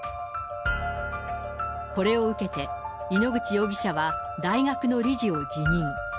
これを受けて、井ノ口容疑者は大学の理事を辞任。